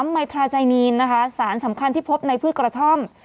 ไมทราไนนีนนะคะสารสำคัญที่พบในพืชกระท่อม